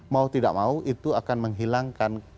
mau tidak mau itu akan menghilangkan